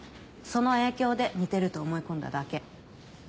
その影響で似てると思い込んだだけ。